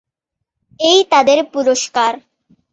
এই তাদের পুরস্কার।